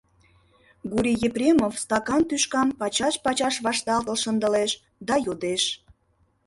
Гурий Епремов стакан тӱшкам пачаш-пачаш вашталтыл шындылеш да йодеш: